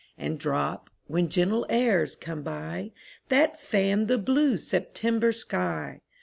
And drop, when gentle airs come by. That fan the blue September sky.